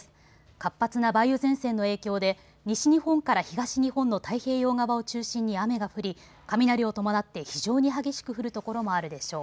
活発な梅雨前線の影響で西日本から東日本の太平洋側を中心に雨が降り雷を伴って非常に激しく降る所もあるでしょう。